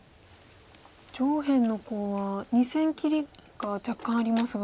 上辺のコウは２線切りが若干ありますが。